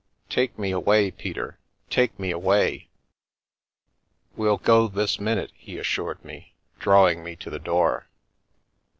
" Take me away, Peter ! Take me away !"" We'll go this minute," he assured me, drawing me to the door.